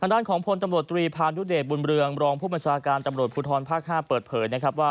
ข้างด้านของพลตำรวจตรีพาณุเดชบุญเบลืองรองผู้บัญชาการตำรวจภูทรภาค๕เปิดเผย